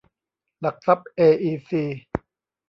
หลักทรัพย์ เออีซี